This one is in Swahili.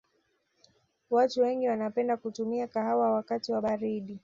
watu wengi wanapenda kutumia kahawa wakati wa baridi